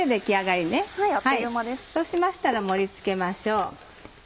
そうしましたら盛り付けましょう。